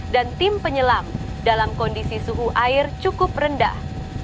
dan tim penyelam dalam kondisi suhu air cukup rendah